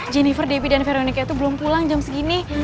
jennifer debbie dan veronica itu belum pulang jam segini